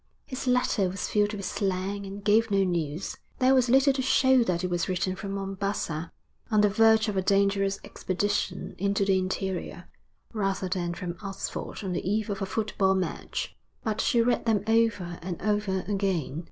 His letter was filled with slang and gave no news. There was little to show that it was written from Mombassa, on the verge of a dangerous expedition into the interior, rather than from Oxford on the eve of a football match. But she read them over and over again.